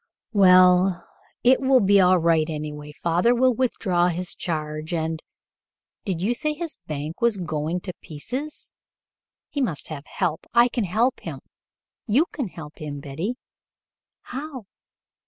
"Well, it will be all right, anyway. Father will withdraw his charge and did you say his bank was going to pieces? He must have help. I can help him. You can help him, Betty." "How?"